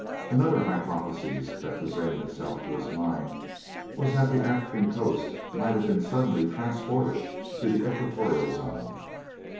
Another hypothesis that presented itself to his mind was that the African coast might have been suddenly transported to the equatorial zone.